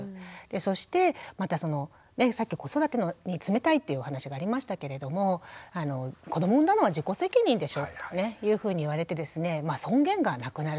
そしてまたそのさっき子育てに冷たいっていうお話がありましたけれども「子ども産んだのは自己責任でしょう？」っていうふうに言われてですねまあ尊厳がなくなると。